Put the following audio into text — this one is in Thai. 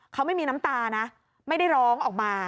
เขาไม่มีน้ำตานะไม่ได้ร้องออกมา